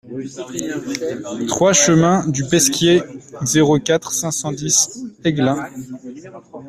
trois chemin du Pesquier, zéro quatre, cinq cent dix Aiglun